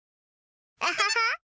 アハハ！